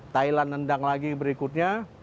thailand nendang lagi berikutnya